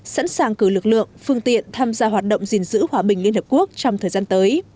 sẵn sàng cử lực lượng phương tiện tham gia hoạt động gìn giữ hòa bình liên hợp quốc trong thời gian tới